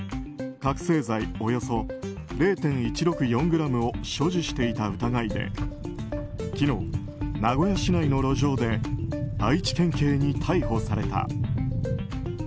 覚醒剤およそ０．１６４ｇを所持していた疑いで昨日、名古屋市内の路上で愛知県警に逮捕された。